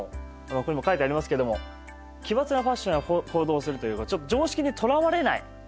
ここにも書いてありますけども奇抜なファッションや行動をするというかちょっと常識にとらわれない。